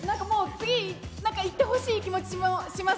次、いってほしい気持ちもします。